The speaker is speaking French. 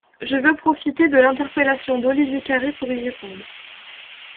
Je veux profiter de l’interpellation d’Olivier Carré pour y répondre.